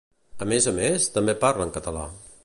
A més a més, també parlen català